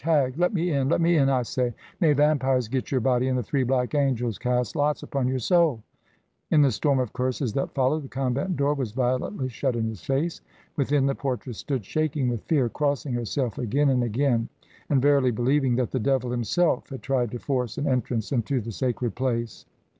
Hag! Let me in! Let me in, I say! May vampires get your body and the Three Black Angels cast lots upon your soul!" In the storm of curses that followed, the convent door was violently shut in his face. Within, the portress stood shaking with fear, crossing herself again and again, and verily believing that the devil himself had tried to force an entrance into the sacred place.